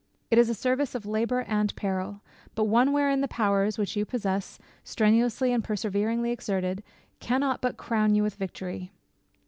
It is a service of labour and peril; but one wherein the powers which you possess, strenuously and perseveringly exerted, cannot but crown you with victory.